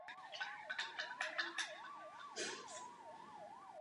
V československé lize hrál za Křídla vlasti Olomouc a Jednota Košice.